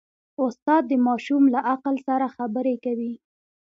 استاد د ماشوم له عقل سره خبرې کوي.